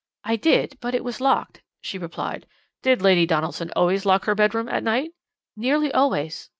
"'I did, but it was locked,' she replied. "'Did Lady Donaldson usually lock her bedroom at night?' "'Nearly always.'